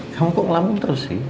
kamu kok ngelambung terus sih